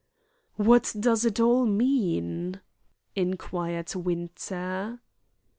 "What does it all mean?" inquired Winter.